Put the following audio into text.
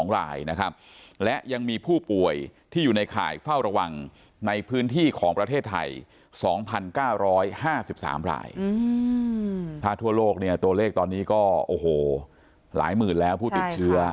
ถ้าทั่วโลกเนี่ยตัวเลขตอนนี้ก็โอ้โหหลายหมื่นแล้วผู้ติดเชื้อ